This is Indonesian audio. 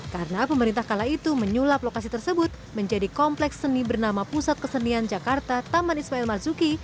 karena pemerintah kala itu menyulap lokasi tersebut menjadi kompleks seni bernama pusat kesenian jakarta taman ismail marzuki